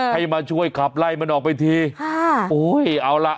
ให้มาช่วยขับไล่มันออกไปทีค่ะโอ้ยเอาล่ะ